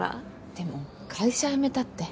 でも会社辞めたって。